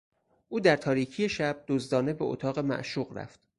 او در تاریکی شب، دزدانه به اتاق معشوق رفت.